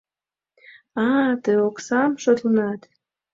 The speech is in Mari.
А-а-а, тый оксам шолыштынат...